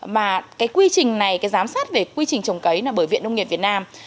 mà cái quy trình này cái giám sát về quy trình trồng cấy là bởi viện nông nghiệp việt nam